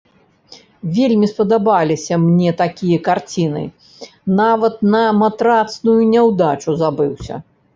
Вельмі спадабаліся мне такія карціны, нават на матрацную няўдачу забыўся.